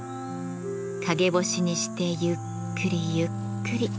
陰干しにしてゆっくりゆっくり。